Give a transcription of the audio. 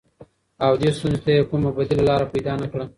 او دې ستونزې ته يې کومه بديله لاره پيدا نه کړه.